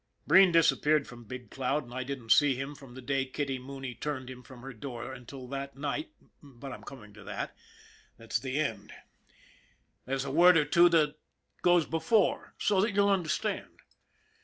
Breen disappeared from Big Cloud and I didn't see him from the day Kitty Mooney turned him from her door until the night but I'm coming to that that's the end. There's a word or two that goes before so that you'll understand.